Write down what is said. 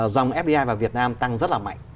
dòng fdi vào việt nam tăng rất là mạnh